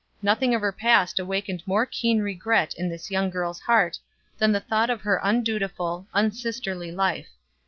Nothing of her past awakened more keen regret in this young girl's heart than the thought of her undutiful, unsisterly life.